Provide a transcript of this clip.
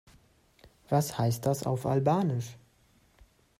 Was heißt das auf Albanisch?